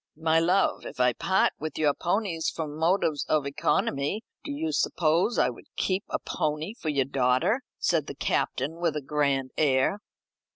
"My love, if I part with your ponies from motives of economy, do you suppose I would keep a pony for your daughter?" said the Captain with a grand air.